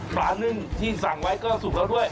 ปลานึ่งที่สั่งไว้ก็สุกแล้วด้วย